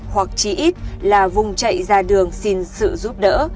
hoặc chỉ ít là vùng chạy ra đường xin sự giúp đỡ